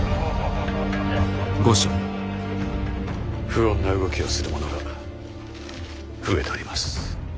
不穏な動きをする者が増えております。